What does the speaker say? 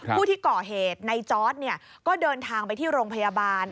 ผู้ที่ก่อเหตุในจอร์ดก็เดินทางไปที่โรงพยาบาล